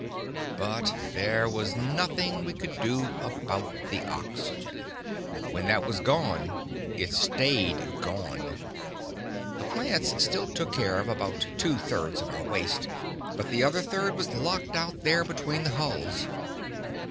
But there was nothing we could do about the oxygen. When that was gone, it stayed gone. The plants still took care of about two thirds of our waste but the other third was locked out there between the hulls.